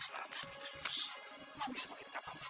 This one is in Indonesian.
kamu bisa pakai belakangmu